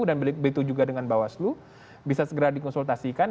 dan begitu juga dengan bawaslu bisa segera dikonsultasikan